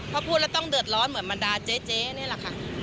พอพูดแล้วต้องเดือดร้อนเหมือนบรรดาเจ๊นี่แหละค่ะ